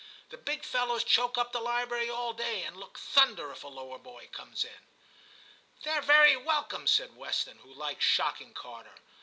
* The big fellows choke up the library all day, and look thunder if a lower boy comes in.' 94 TIM CHAP. *They are very welcome/ said Weston, who liked shocking Carter.